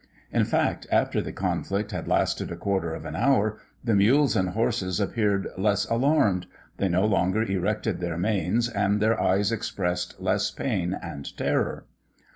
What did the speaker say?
In fact, after the conflict had lasted a quarter of an hour, the mules and horses appeared less alarmed; they no longer erected their manes, and their eyes expressed less pain and terror.